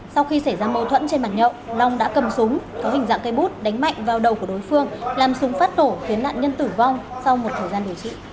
sau khi xảy ra mâu thuẫn trên bàn nhậu long đã cầm súng có hình dạng cây bút đánh mạnh vào đầu của đối phương làm súng phát nổ khiến nạn nhân tử vong sau một thời gian điều trị